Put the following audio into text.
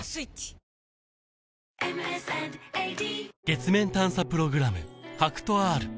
月面探査プログラム